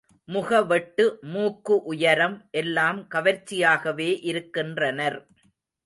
முக வெட்டு மூக்கு உயரம் எல்லாம் கவர்ச்சியாகவே இருக்கின்றனர்.